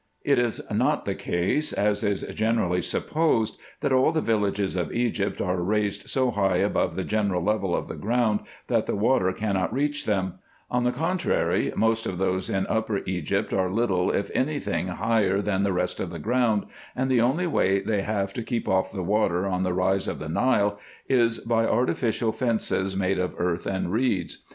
It is not the case, as is generally supposed, that all the villages of Egypt are raised so high above the general level of the ground, that the water cannot reach them ; on the con trary, most of those in Upper Egypt are little if any thing higher than the rest of the ground, and the only way they have to keep off the water on the rise of the Nile, is by artificial fences made of earth and reeds.